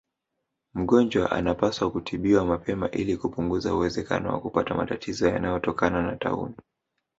Mgonjwa anapaswa kutibiwa mapema ili kupunguza uwezekano wa kupata matatizo yanayotokana na taunii